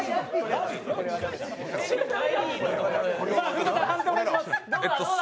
文田さん、判定をお願いします。